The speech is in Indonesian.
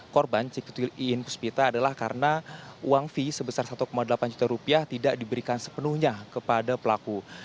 korban ciktuil in puspita adalah karena uang fee sebesar satu delapan juta rupiah tidak diberikan sepenuhnya kepada pelaku